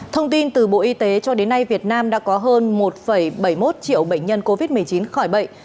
thông tin từ bộ y tế cho đến nay việt nam đã có hơn một bảy mươi một triệu bệnh nhân covid một mươi chín khỏi bệnh